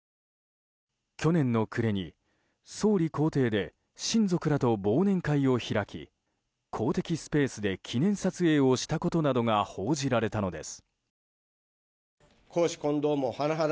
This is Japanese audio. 去年の暮れに総理公邸で親族らと忘年会を開き公的スペースで記念撮影をしたことなどが報じられたのです。